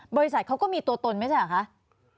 บริษัทเขาก็มีตัวตนไม่ใช่เหรอคะ